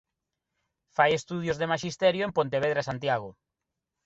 Fai estudos de maxisterio en Pontevedra e Santiago.